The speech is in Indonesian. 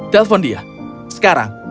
telepon dia sekarang